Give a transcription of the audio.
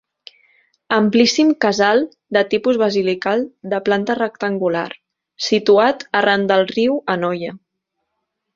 Amplíssim casal de tipus basilical de planta rectangular, situat arran del riu Anoia.